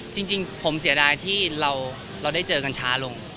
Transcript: จริงผมเสียดายที่เราได้เจอกันช้าลง